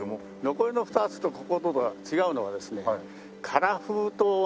残りの２つとこことが違うのはですね。